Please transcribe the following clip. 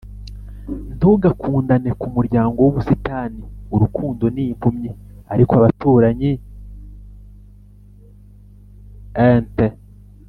ntugakundane kumuryango wubusitani, urukundo ni impumyi ariko abaturanyi aint